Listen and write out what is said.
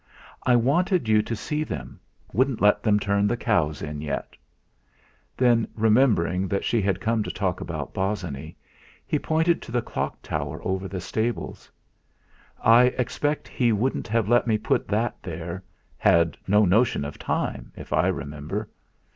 "I wanted you to see them wouldn't let them turn the cows in yet." Then, remembering that she had come to talk about Bosinney, he pointed to the clock tower over the stables: "I expect he wouldn't have let me put that there had no notion of time, if I remember."